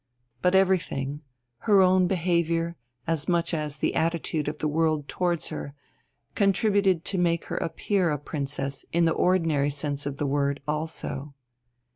But everything, her own behaviour as much as the attitude of the world towards her, contributed to make her appear a princess in the ordinary sense of the word also.